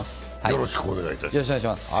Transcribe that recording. よろしくお願いします。